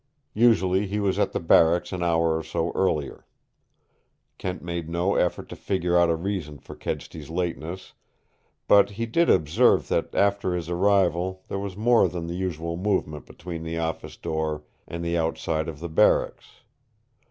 Usually he was at the barracks an hour or so earlier. Kent made no effort to figure out a reason for Kedsty's lateness, but he did observe that after his arrival there was more than the usual movement between the office door and the outside of the barracks.